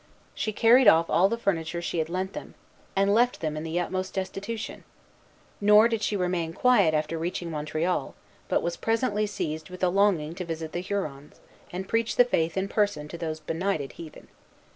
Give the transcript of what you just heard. She carried off all the furniture she had lent them, and left them in the utmost destitution. Nor did she remain quiet after reaching Montreal, but was presently seized with a longing to visit the Hurons, and preach the Faith in person to those benighted heathen.